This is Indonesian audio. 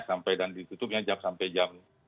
sampai dan ditutupnya jam sampai jam